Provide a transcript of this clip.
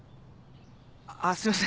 あっすいません